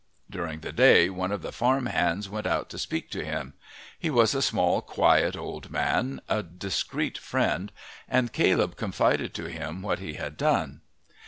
During the day one of the farm hands went out to speak to him. He was a small, quiet old man, a discreet friend, and Caleb confided to him what he had done.